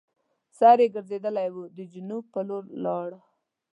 سر یې ګرځېدلی وو د جنوب پر لور لاړ.